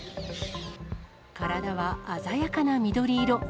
体は鮮やかな緑色。